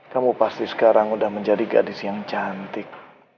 kamu pasti sekarang udah menjadi gadis yang cantik